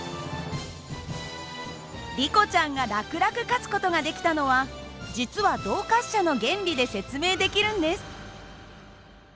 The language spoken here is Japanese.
リコちゃんが楽々勝つ事ができたのは実は動滑車の原理で説明できるんです。